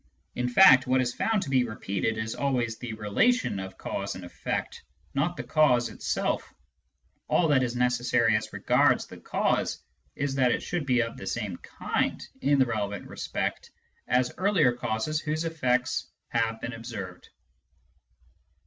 In fact, what is found to be repeated is always the relation of cause and effect, not the cause itself ; all that is necessary as regards the cause is that it should be of the same kind (in the relevant respect) as earlier causes whose effects have been observed.